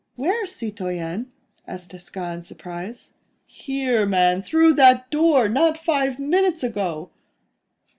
"Where, citoyen?" asked Desgas, in surprise. "Here, man! through that door! not five minutes ago."